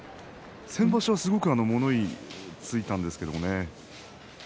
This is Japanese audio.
先場所は物言いがついたんですけどね。